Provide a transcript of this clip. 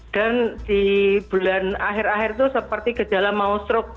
dan di bulan akhir akhir itu seperti kejala mausruk